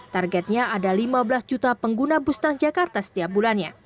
targetnya ada lima belas juta pengguna bus transjakarta setiap bulannya